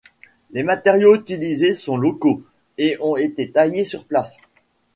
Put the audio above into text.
Les matériaux utilisés sont locaux et ont été taillés sur place.